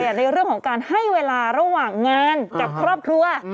ในเรื่องของการให้เวลาระหว่างงานกับครอบครัว